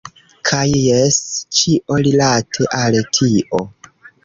Kaj jes! Ĉio rilate al tio.